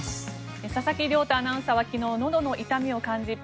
佐々木亮太アナウンサーは昨日、のどの痛みを感じ